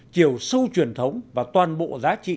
chiều sâu truyền thống và toàn bộ giá trị